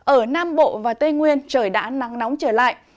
ở nam bộ và tây nguyên trời đã nắng nóng trở lại